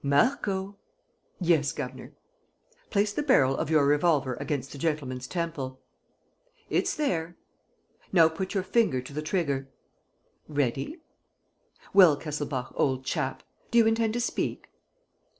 "Marco!" "Yes, governor." "Place the barrel of your revolver against the gentleman's temple." "It's there." "Now put your finger to the trigger." "Ready." "Well, Kesselbach, old chap, do you intend to speak?"